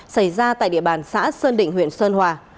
xảy ra tại địa bàn xã sơn định huyện sơn hòa